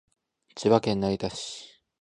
千葉県成田市